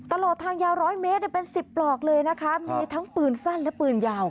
ตลอดทางยาวร้อยเมตรเป็นสิบปลอกเลยนะคะมีทั้งปืนสั้นและปืนยาว